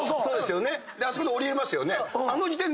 あそこで降りますよね。